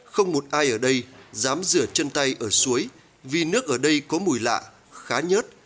không một ai ở đây dám rửa chân tay ở suối vì nước ở đây có mùi lạ khá nhớt